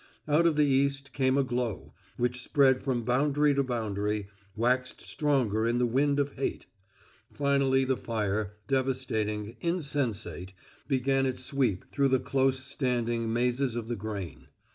Out of the east came a glow, which spread from boundary to boundary, waxed stronger in the wind of hate. Finally the fire, devastating, insensate, began its sweep through the close standing mazes of the grain.